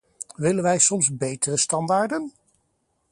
Willen wij soms betere standaarden?